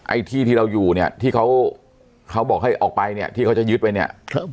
ไอ้ที่ที่เราอยู่เนี่ยที่เขาเขาบอกให้ออกไปเนี่ยที่เขาจะยึดไว้เนี่ย